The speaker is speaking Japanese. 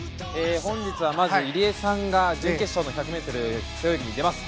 本日はまず入江さんが準決勝の１００ｍ背泳ぎに出ます。